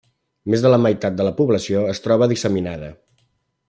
Més de la meitat de la població es troba disseminada.